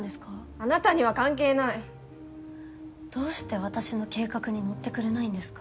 あなたには関係ない！どうして私の計画に乗ってくれないんですか？